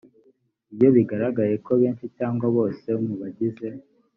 iyo bigaragaye ko benshi cyangwa bose mu bagize